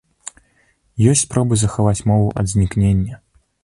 Ёсць спробы захаваць мову ад знікнення.